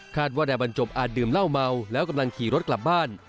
ว่านายบรรจบอาจดื่มเหล้าเมาแล้วกำลังขี่รถกลับบ้าน